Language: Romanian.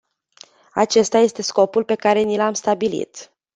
Acesta este scopul pe care ni l-am stabilit.